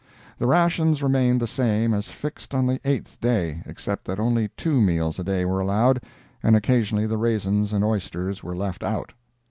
The rations remained the same as fixed on the eighth day, except that only two meals a day were allowed, and occasionally the raisins and oysters were left out.